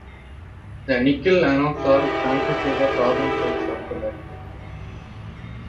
The nickel anodes are connected to the carbon plates of the battery.